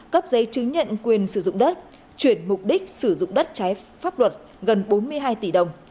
cấp giấy chứng nhận quyền sử dụng đất chuyển mục đích sử dụng đất trái pháp luật gần bốn mươi hai tỷ đồng